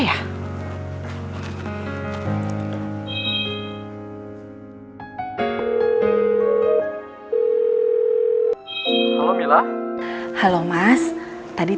dia nanti boleh cat nya